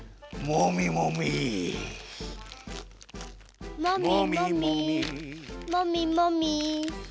もみもみ。